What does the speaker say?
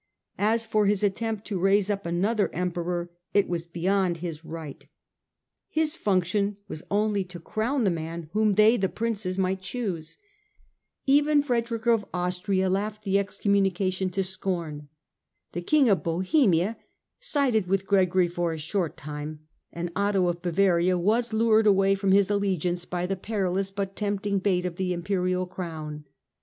As for his attempt to raise up another Emperor, it was beyond his right. His function was only to crown the i 7 4 STUPOR MUNDI man whom they, the Princes, might choose. Even Frederick of Austria laughed the excommunication to scorn. The King of Bohemia sided with Gregory for a short time, and Otho of Bavaria was lured away from his allegiance by the perilous but tempting bait of the Imperial Crown.